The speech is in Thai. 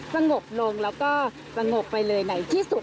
สงบลงรงบไปเลยไหนที่สุด